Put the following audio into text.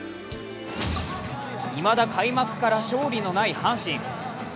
いまだ、開幕から勝利のない阪神。